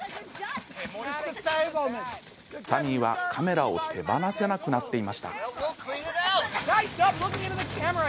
サミーは、カメラを手放せなくなっていました。